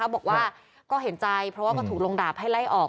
บอกว่าก็เห็นใจเพราะว่าก็ถูกลงดาบให้ไล่ออก